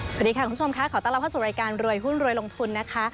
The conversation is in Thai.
สวัสดีค่ะคุณผู้ชมค่ะขอต้อนรับเข้าสู่รายการรวยหุ้นรวยลงทุนนะคะ